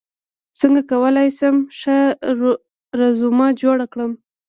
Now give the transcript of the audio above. څنګه کولی شم ښه رزومه جوړ کړم